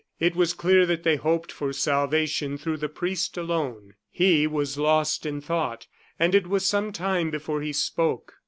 It was clear that they hoped for salvation through the priest alone. He was lost in thought, and it was some time before he spoke.